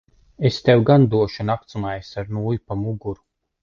Es tev gan došu naktsmājas ar nūju pa muguru.